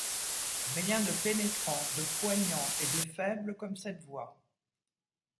Rien de pénétrant, de poignant et de faible comme cette voix.